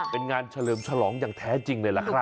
เป็นงานเฉลิมฉลองอย่างแท้จริงเลยล่ะครับ